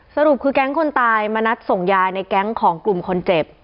สรุปคือแก๊งคนตายมานัดส่งยายในแก๊งของกลุ่มคนเจ็บ